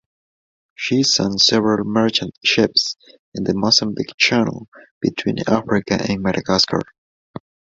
She sank several merchant ships in the Mozambique Channel between Africa and Madagascar.